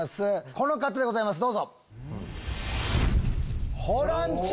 この方でございますどうぞ。